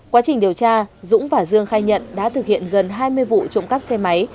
quá trình điều tra dũng và dương khai nhận đã thực hiện gần hai mươi vụ trộm cắp xe máy